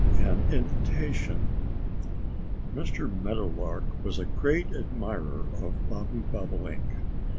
V AN INVITATION MR. MEADOWLARK was a great admirer of Bobby Bobolink.